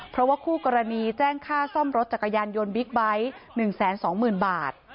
เพราะว่าคู่กรณีแจ้งค่าซ่อมรถจักรยานยนต์บิ๊กไบท์๑๒๐๐๐บาท